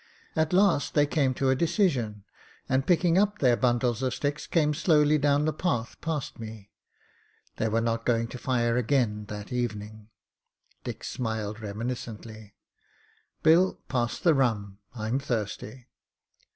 At last they came to a decision, and picking up their bundles of sticks came slowly down the path past me. They were not going to fire again that evening." Dick smiled • reminiscently. ''Bill, pass the rum. I'm thirsty."